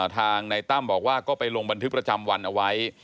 ทางนายตั้มบอกว่าก็ไปลงบันทึกประจำวันเอาไว้